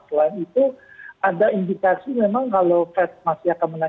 selain itu ada indikasi memang kalau fed masih akan menang